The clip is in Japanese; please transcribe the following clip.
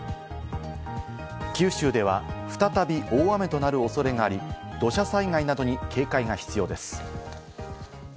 九州では再び大雨となる恐れがあり、土砂災害などに警戒が必要です。